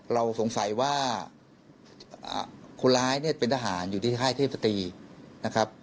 เราสงสัยว่าคนร้ายเนี่ยเป็นทหารอยู่ที่ค่ายเทพศตรีนะครับ